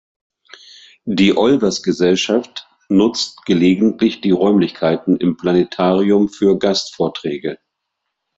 Die Olbers-Gesellschaft nutzt gelegentlich die Räumlichkeiten im Planetarium für Gastvorträge.